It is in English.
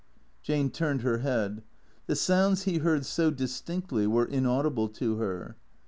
Jane turned her head. The sounds he heard so distinctly were inaudible to her.